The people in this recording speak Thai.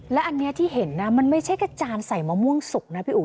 และอันนี้ที่เห็นนะมันไม่ใช่กระจานใส่มะม่วงสุกนะพี่อุ๋